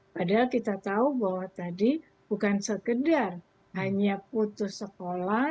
padahal kita tahu bahwa tadi bukan sekedar hanya putus sekolah